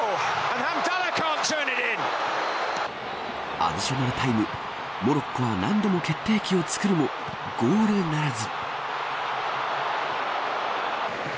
アディショナルタイムモロッコは何度も決定機をつくるもゴールならず。